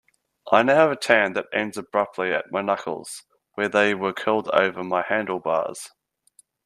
I now have a tan that ends abruptly at my knuckles where they were curled over my handlebars.